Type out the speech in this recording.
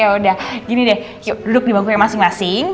ya udah gini deh duduk di bangku yang masing masing